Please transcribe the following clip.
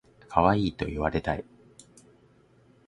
かわいいと言われたい